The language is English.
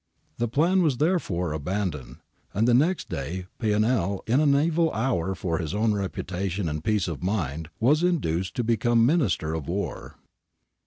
'^ The plan was there fore abandoned, and next day Pianell, in an evil hour for his own reputation and peace of mind, was induced to become Minister of War.